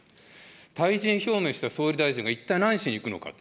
退陣表明した総理大臣が一体何しに行くのか。